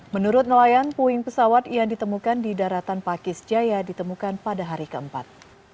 menurut nelayan puing pesawat yang ditemukan di daratan pakis jaya ditemukan pada hari keempat